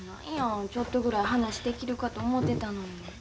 何やちょっとぐらい話できるかと思てたのに。